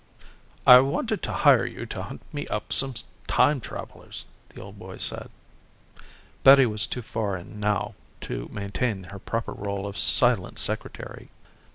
"I want to hire you to hunt me up some time travelers," the old boy said. Betty was too far in now to maintain her proper role of silent secretary.